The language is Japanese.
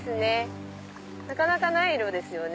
なかなかない色ですよね。